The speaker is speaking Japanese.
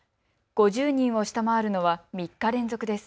５０人を下回るのは３日連続です。